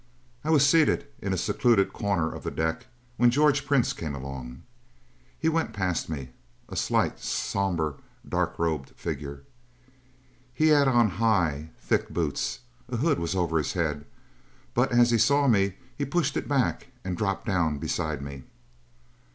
I was seated in a secluded corner of the deck, when George Prince came along. He went past me, a slight, somber, dark robed figure. He had on high, thick boots. A hood was over his head, but as he saw me he pushed it back and dropped down beside me.